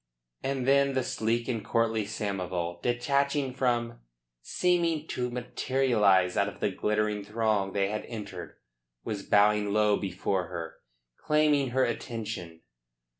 And then the sleek and courtly Samoval, detaching from, seeming to materialise out of, the glittering throng they had entered, was bowing low before her, claiming her attention.